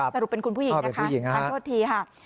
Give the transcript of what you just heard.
สรุปเป็นคุณผู้หญิงนะคะทานโทษทีค่ะ